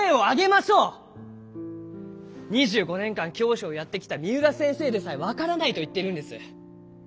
２５年間教師をやってきた三浦先生でさえ分からないと言ってるんです。